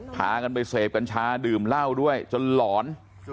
พากันไปเสพกัญชาดื่มเหล้าด้วยจนหลอน